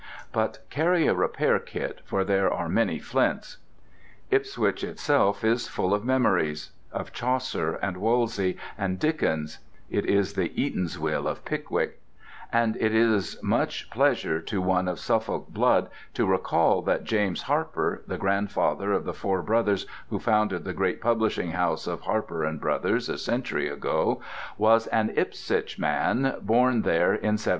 (But carry a repair kit, for there are many flints!) Ipswich itself is full of memories—of Chaucer, and Wolsey, and Dickens (it is the "Eatanswill" of Pickwick), and it is much pleasure to one of Suffolk blood to recall that James Harper, the grandfather of the four brothers who founded the great publishing house of Harper and Brothers a century ago, was an Ipswich man, born there in 1740.